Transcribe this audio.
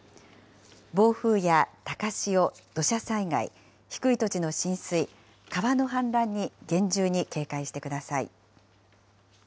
暴風や高潮、土砂災害、低い土地の浸水、川の氾濫に厳重に警戒してください。